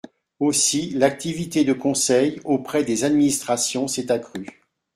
Aussi, l’activité de conseil auprès des administrations s’est accrue.